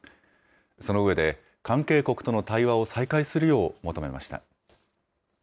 その上で、関係国との対話を再開するよう求めました。